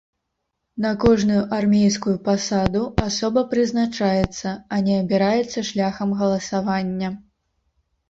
На кожную армейскую пасаду асоба прызначаецца, а не абіраецца шляхам галасавання.